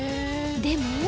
でも